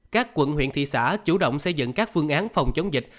các quận huyện thị xã chủ động xây dựng các phương án phòng chống dịch